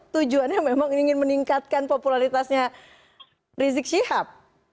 tujuannya memang ingin meningkatkan popularitasnya rizik syihab